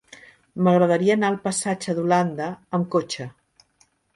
M'agradaria anar al passatge d'Holanda amb cotxe.